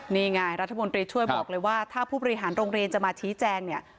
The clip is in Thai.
นี่ไงรัฐมนตรีช่วยบอกเลยว่าถ้าผู้บริหารโรงเรียนจะมาชี้แจงเนี่ย